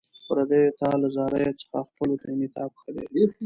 پردیو ته له زاریو څخه خپلو ته انعطاف ښه دی.